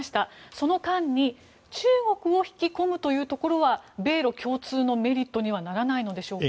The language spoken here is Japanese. その間に中国を引き込むというところは米ロ共通のメリットにはならないのでしょうか。